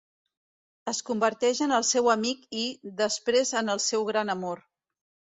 Es converteix en el seu amic i, després en el seu gran amor.